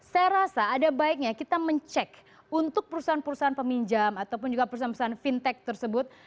saya rasa ada baiknya kita mencek untuk perusahaan perusahaan peminjam ataupun juga perusahaan perusahaan fintech tersebut